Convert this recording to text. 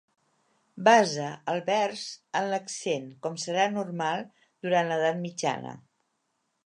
Basa el vers en l'accent, com serà normal durant l'Edat mitjana.